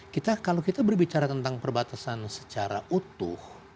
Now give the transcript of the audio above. kita kalau kita berbicara tentang perbatasan secara utuh